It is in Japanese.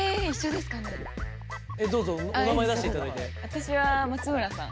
私は松村さん。